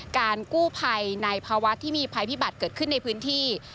การกู้ภัยในภาวะที่มีภัยพิบัติเกิดขึ้นในพื้นที่